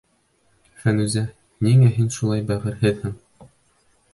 Фәнүзә, ниңә һин шулай бәғерһеҙһең?